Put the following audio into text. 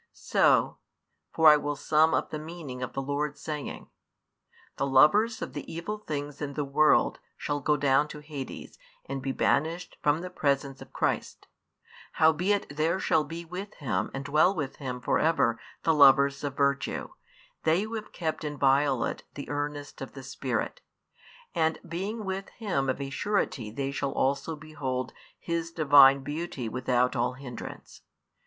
So for I will sum up the meaning of the Lord's saying the lovers of the evil things in the world shall go down to Hades and be banished from the presence of Christ; howbeit there shall be with Him and dwell with Him for ever the lovers of virtue, they who have kept inviolate the earnest of the Spirit, and being with Him of a surety they shall also behold His Divine Beauty without all hindrance.